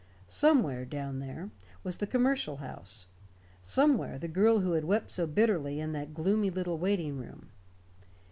Somewhere, down there, was the Commercial House. Somewhere the girl who had wept so bitterly in that gloomy little waiting room.